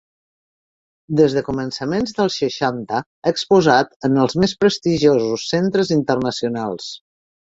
Des de començaments dels seixanta, ha exposat en els més prestigiosos centres internacionals.